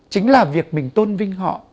chính là việc mình tôn vinh họ